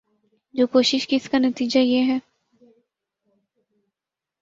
جو کوشش کی اس کا نتیجہ یہ ہے ۔